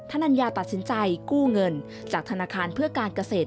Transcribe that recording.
นัญญาตัดสินใจกู้เงินจากธนาคารเพื่อการเกษตร